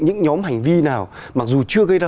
những nhóm hành vi nào mặc dù chưa gây ra